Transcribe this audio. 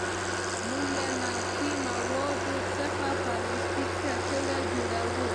موږ له نفتي موادو څخه پلاستیکي کڅوړې جوړوو.